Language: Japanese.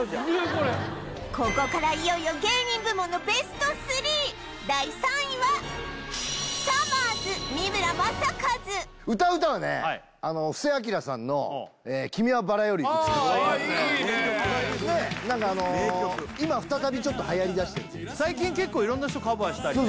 これここからいよいよ芸人部門のベスト３第３位は歌う歌はね布施明さんの「君は薔薇より美しい」ああいいですね何かあの今再びちょっとはやりだしてるというか最近結構色んな人カバーしたりね